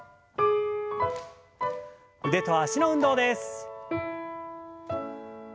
腕と脚の運動です。